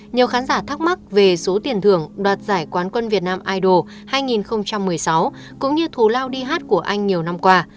nhiều khán giả thắc mắc về số tiền thưởng đoạt giải quán quân việt nam idol hai nghìn một mươi sáu cũng như thù lao đi hát của anh nhiều năm qua